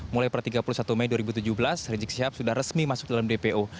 mulai per tiga puluh satu mei dua ribu tujuh belas rizik syihab sudah resmi masuk dalam dpo